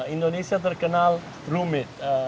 indonesia terkenal rumit